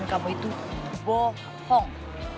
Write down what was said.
kamu itu bohong